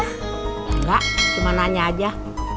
nggak cuma nanya aja